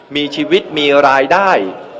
มีชีวิตมีรายได้